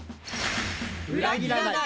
裏切らない！